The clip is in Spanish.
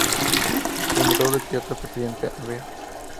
Fundador del Teatro Presidente Alvear.